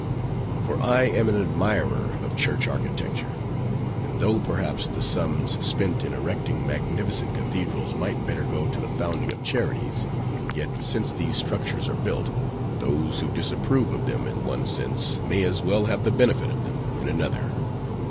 For I am an admirer of church architecture; and though, perhaps, the sums spent in erecting magnificent cathedrals might better go to the founding of charities, yet since these structures are built, those who disapprove of them in one sense, may as well have the benefit of them in another.